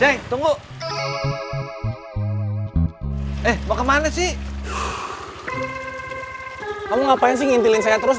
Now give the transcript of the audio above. ceng tunggu eh mau ke mana sih kamu ngapain sih ngintilin saya terus